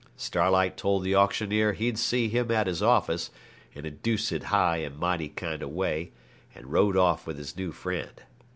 Starlight told the auctioneer he'd see him at his office, in a deuced high and mighty kind of way, and rode off with his new friend.